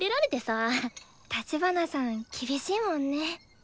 立花さん厳しいもんね。